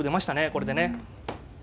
これでね。